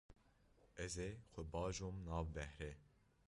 Ez ê xwe bajom nav behrê.